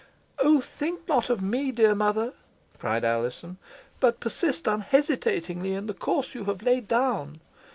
"Oh, think not of me, dear mother!" cried Alizon, "but persist unhesitatingly in the course you have laid down.